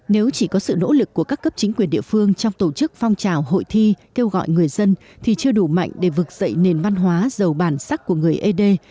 nếu chỉ có sự nỗ lực của các cấp chính quyền địa phương trong tổ chức phong trào hội thi kêu gọi người dân thì chưa đủ mạnh để vực dậy nền văn hóa giàu bản sắc của người ế đê